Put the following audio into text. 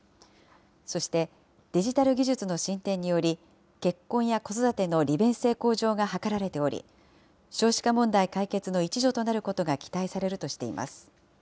そして、デジタル技術の進展により、結婚や子育ての利便性向上が図られており、少子化問題解決の一助となることが期待されるとしています。